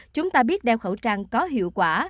chúng ta biết đeo khẩu trang có hiệu quả